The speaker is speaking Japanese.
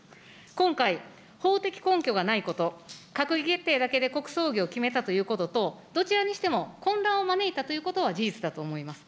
今回、法的根拠がないこと、閣議決定だけで国葬儀を決めたということと、どちらにしても、混乱を招いたということは事実だと思います。